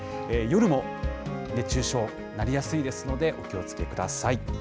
夜も熱中症なりやすいですので、お気をつけください。